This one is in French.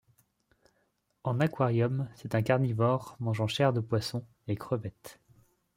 En aquarium, c'est un carnivore, mangeant chair de poissons et crevettes.